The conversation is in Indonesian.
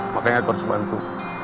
makanya aku harus bantu